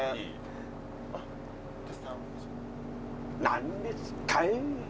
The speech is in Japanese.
「何ですかぁ」